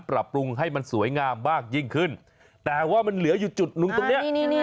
ปรับปรุงให้มันสวยงามมากยิ่งขึ้นแต่ว่ามันเหลืออยู่จุดหนึ่งตรงเนี้ย